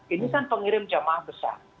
ini kan pengirim jamaah besar